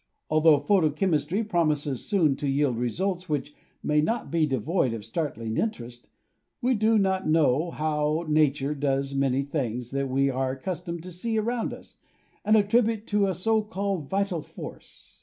Altho photo chemistry promises soon to yield results which may not be devoid of startling interest, we do not know how nature does many things that we are accustomed to see around us and attribute to a so called vital force.